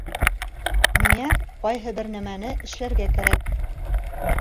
Миңә ҡайһы бер нәмәне эшләргә кәрәк